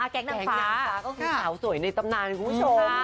แกงนางฟ้าก็คือสาวสวยในตำนานคุณผู้ชม